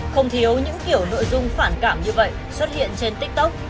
không thiếu những kiểu nội dung phản cảm như vậy xuất hiện trên tiktok